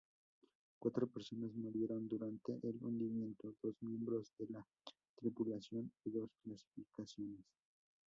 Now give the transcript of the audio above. Cuatro personas murieron durante el hundimiento, dos miembros de la tripulación y dos clasificaciones.